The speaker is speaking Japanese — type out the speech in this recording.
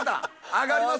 あがります？